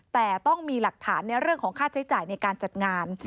แต่ต้องมีหลักฐานในเรื่องของค่าใช้จ่ายในการจัดงาน